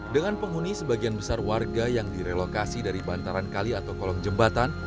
dengan penghuni sebagian besar warga yang direlokasi dari bantaran kali atau kolong jembatan